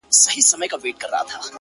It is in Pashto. اكثره وخت بيا پر دا بل مخ واوړي’